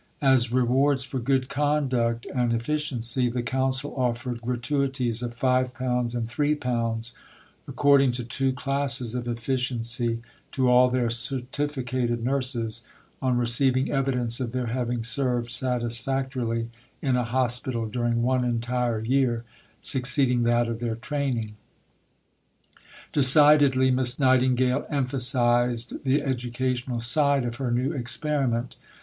As rewards for good conduct and efficiency, the Council offered gratuities of £5 and £3, according to two classes of efficiency, to all their certificated nurses, on receiving evidence of their having served satisfactorily in a Hospital during one entire year succeeding that of their training. Decidedly Miss Nightingale emphasized the educational side of her new experiment.